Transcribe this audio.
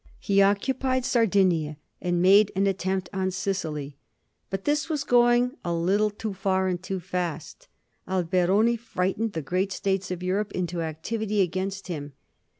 He occupied Sardinia, and made an attempt on Sicily. But this was going a little too far and too fast. Alberoni Mghtened the great States of Europe into activity against him.